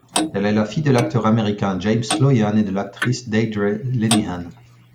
Elle est la fille de l'acteur américain James Sloyan et de l'actrice Deirdre Lenihan.